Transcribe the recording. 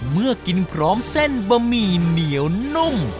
เมื่อกินพร้อมเส้นบะหมี่เหนียวนุ่ม